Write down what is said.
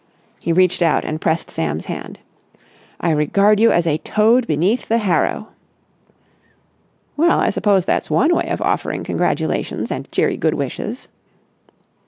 He reached out and pressed Sam's hand. "I regard you as a toad beneath the harrow!" "Well, I suppose that's one way of offering congratulations and cheery good wishes."